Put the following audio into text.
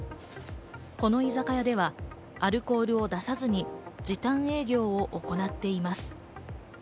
この居酒屋ではアルコールを出さずに時短営業を行っています。